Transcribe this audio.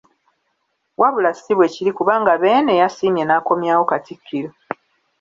Wabula si bwekiri kubanga Beene yasiimye n’akomyawo Katikkiro.